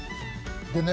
でね